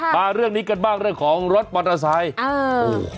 มาเรื่องนี้กันบ้างเรื่องของรถมอเตอร์ไซค์เออ